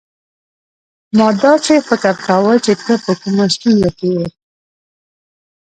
ما داسي فکر کاوه چي ته په کومه ستونزه کې يې.